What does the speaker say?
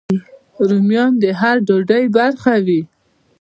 رومیان د هر ډوډۍ برخه وي